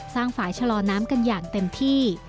ฝ่ายชะลอน้ำกันอย่างเต็มที่